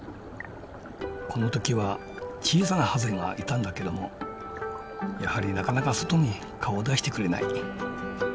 この時は小さなハゼがいたんだけどもやはりなかなか外に顔を出してくれない。